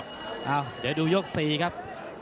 เดี๋ยวดูยก๔ครับ